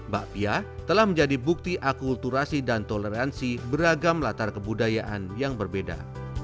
bapia telah menjadi bukti akulturasi dan toleransi beragam latar kebudayaan yang berbeda